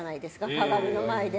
鏡の前で。